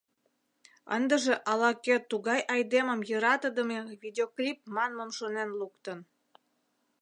Ындыже ала-кӧ тугай айдемым йӧратыдыме видеоклип манмым шонен луктын.